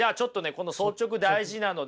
この「率直」大事なのでね